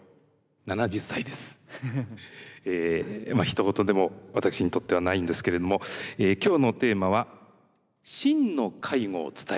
ひと事でも私にとってはないんですけれども今日のテーマは「真の介護」を伝えたいです。